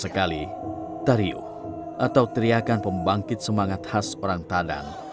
sekali tariu atau teriakan pembangkit semangat khas orang tadan